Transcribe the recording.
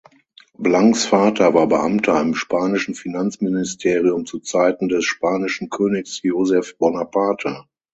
Blancs Vater war Beamter im spanischen Finanzministerium zu Zeiten des spanischen Königs Joseph Bonaparte.